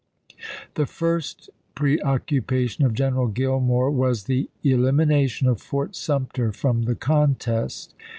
The first preoccu pation of General Gillmore was the "elimination of Fort Sumter from the contest."